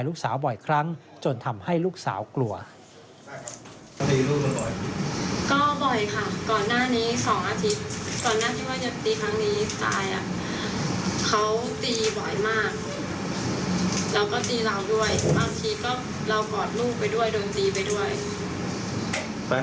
ที่สุดอย่างคุ้มกลางอีกก็มากขึ้น